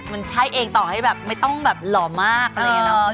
มันใช่เองต่อให้แบบไม่ต้องแบบหล่อมากอะไรอย่างนี้